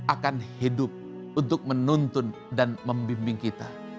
akan hidup untuk menuntun dan membimbing kita